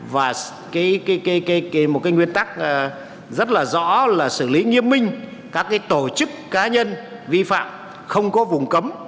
và một nguyên tắc rất là rõ là xử lý nghiêm minh các tổ chức cá nhân vi phạm không có vùng cấm